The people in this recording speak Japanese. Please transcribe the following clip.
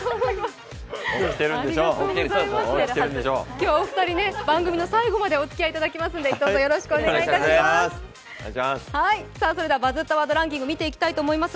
今日はお二人番組の最後までおつき合いいただきますのでどうぞよろしくお願いします。